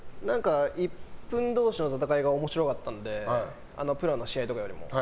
１分同士の戦いが面白かったのでプロの試合とかよりも。